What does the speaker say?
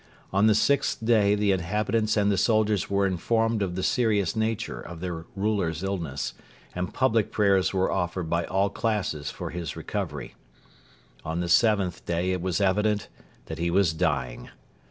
On the sixth day the inhabitants and the soldiers were informed of the serious nature of their ruler's illness, and public prayers were offered by all classes for his recovery. On the seventh day it was evident that he was dying.